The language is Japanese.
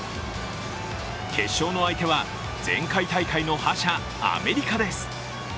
決勝の相手は前回大会の覇者アメリカです。